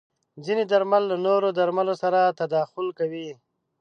ځینې درمل له نورو درملو سره تداخل کوي.